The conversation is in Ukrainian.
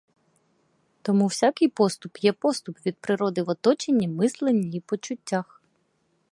Тому всякий поступ є поступ від природи в оточенні, мисленні й почуттях.